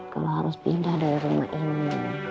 kalau harus pindah dari rumah ini